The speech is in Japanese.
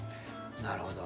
なるほど。